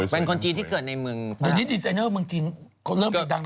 เป็นคนจีนที่เกิดในเมืองฝรั่ง